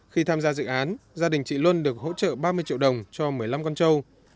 khi tham gia dự án gia đình chị luân được hỗ trợ ba mươi triệu đồng cho một mươi năm con trâu